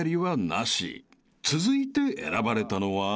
［続いて選ばれたのは］